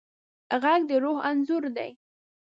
غږ د روح انځور دی